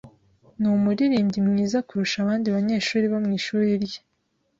Ni umuririmbyi mwiza kurusha abandi banyeshuri bo mu ishuri rye.